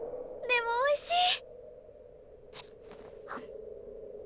でもおいしい！